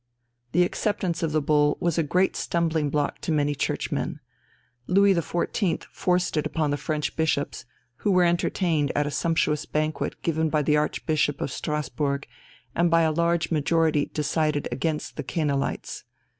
The acceptance of the Bull was a great stumbling block to many churchmen. Louis XIV. forced it upon the French bishops, who were entertained at a sumptuous banquet given by the Archbishop of Strasbourg and by a large majority decided against the Quesnelites.